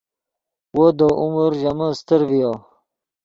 وو دے عمر ژے من استر ڤیو